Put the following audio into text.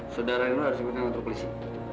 saudara ini harus dikenal ke polisi